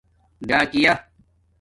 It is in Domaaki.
ڈاکِیہ